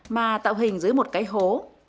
mà tạo hình dưới một cái hố